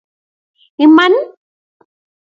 Iman?